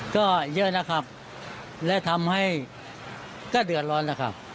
ก็เยอะนะครับและทำให้ก็เดือดร้อนแล้วครับ